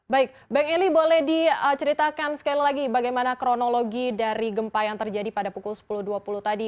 baik bang eli boleh diceritakan sekali lagi bagaimana kronologi dari gempa yang terjadi pada pukul sepuluh dua puluh tadi